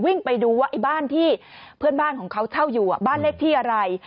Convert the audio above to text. ไปดูว่าไอ้บ้านที่เพื่อนบ้านของเขาเช่าอยู่บ้านเลขที่อะไร